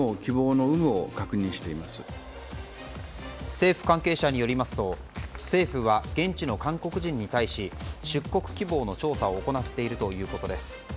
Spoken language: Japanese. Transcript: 政府関係者によりますと政府は現地の韓国人に対し出国希望の調査を行っているということです。